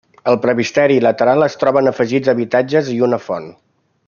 Al presbiteri i lateral es troben afegits habitatges i una font.